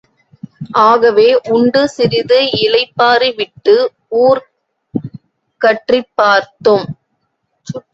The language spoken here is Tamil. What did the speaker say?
ஆகவே, உண்டு, சிறிது இளைப்பாறி விட்டு, ஊர் கற்றிப் பார்த்தோம்.